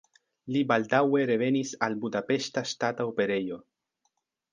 Li baldaŭe revenis al Budapeŝta Ŝtata Operejo.